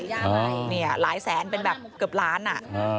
ยังไงเนี่ยหลายแสนเป็นแบบเกือบล้านอ่ะ